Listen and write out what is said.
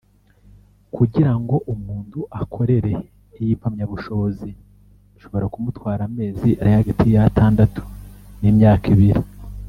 Kugira ngo umuntu akorere iyi mpamyabushobozi bishobora kumutwara amezi ari hagati y’atandandatu n’imyaka ibiri